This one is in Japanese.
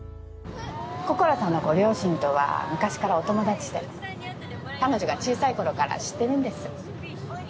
心さんのご両親とは昔からお友達で彼女が小さい頃から知ってるんです。